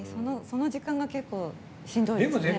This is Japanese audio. その時間が結構しんどいですね。